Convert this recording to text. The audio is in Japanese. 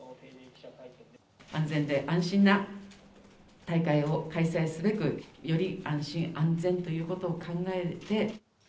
安全で安心な大会を開催すべく、より安心・安全ということを考えて。